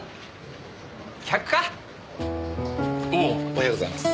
おはようございます。